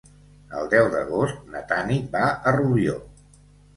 El deu d'agost na Tanit va a Rubió.